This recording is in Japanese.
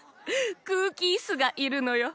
くうきイスがいるのよ。